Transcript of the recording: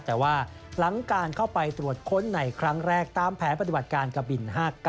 แต่ว่าหลังการเข้าไปตรวจค้นในครั้งแรกตามแผนปฏิบัติการกะบิน๕๙